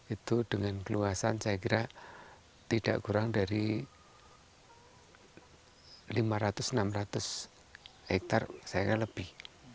itu dengan keluasan saya kira tidak kurang dari lima ratus enam ratus hektare saya kira lebih